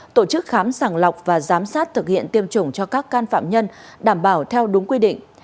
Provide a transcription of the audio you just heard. tổ chức khám sàng lọc và giám sát thực hiện tiêm chủng cho các can phạm nhân đảm bảo theo đúng quy định